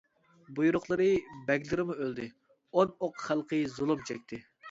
بۇيرۇقلىرى، بەگلىرىمۇ ئۆلدى، ئون ئوق خەلقى زۇلۇم چەكتى.